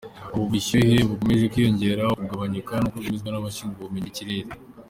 Ubu bushyuhe bukomeje kwiyongera aho kugabanyuka, nk’uko byemezwa n’abashinzwe ubumenyi bw’ikirere.